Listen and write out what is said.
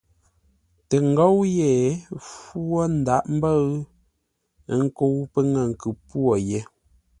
Tə ngóu yé mpfu wo ńdághʼ ḿbə̂ʉ, ə́ nkə́u pə́ ŋə̂ nkʉ-pwô yé.